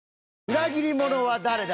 裏切り者は誰だ？